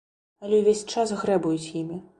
Але ўвесь час грэбуюць імі.